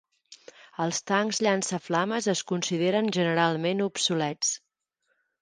Els tancs llançaflames es consideren generalment obsolets.